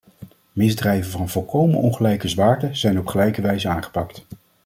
Misdrijven van volkomen ongelijke zwaarte zijn op gelijke wijze aangepakt.